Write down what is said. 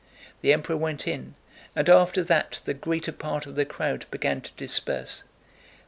The Emperor went in, and after that the greater part of the crowd began to disperse.